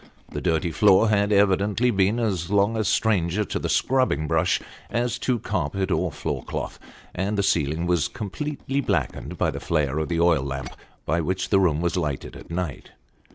The dirty floor had evidently been as long a stranger to the scrubbing brush as to carpet or floor cloth : and the ceiling was completely blackened by the flare of the oil lamp by which the room was lighted at night.